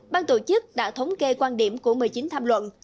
ban tổ chức đã thống kê quan điểm của một mươi chín tham luận